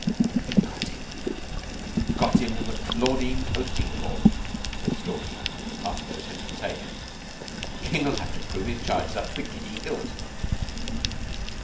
"We've got him got him on the Caudine Toasting fork!" said Stalky, after those hints were taken. "King'll have to prove his charges up to the giddy hilt."